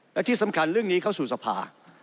และที่สำคัญเรื่องนี้เข้าสู่สภา